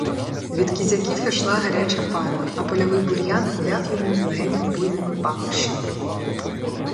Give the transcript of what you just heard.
Від кізяків ішла гаряча пара, а польовий бур'ян гуляв йому в легенях буйними пахощами.